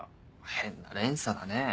変な連鎖だねぇ。